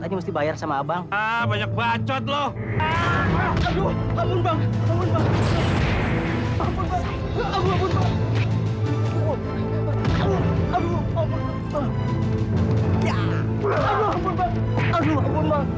amin ya allah